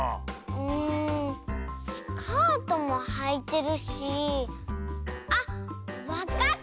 んスカートもはいてるしあっわかった！